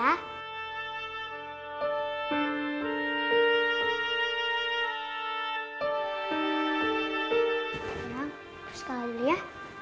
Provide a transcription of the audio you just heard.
ayang aku sekolah dulu ya